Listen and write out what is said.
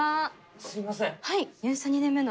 すみません。